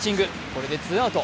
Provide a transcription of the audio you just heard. これでツーアウト。